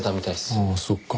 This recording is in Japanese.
ああそっか。